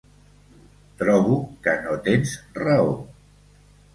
Trobo que no tens raó.